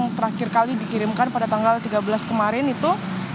yang terakhir kali dikirimkan pada tanggal tiga belas kemarin itu